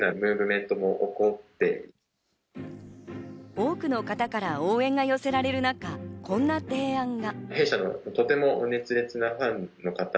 多くの方から応援が寄せられる中こんな提案が。